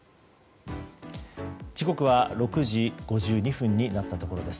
時刻は６時５２分になったところです。